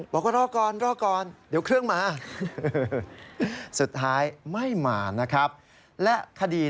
บอกว่ารอกก่อนรอกก่อนเดี๋ยวเครื่องมา